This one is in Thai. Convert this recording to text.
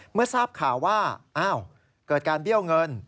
เมื่อทราบข่าวว่าอ้าวเกิดการเบี้ยวเงิน